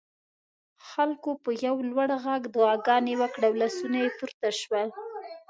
خلکو په یو لوړ غږ دعاګانې وکړې او لاسونه پورته شول.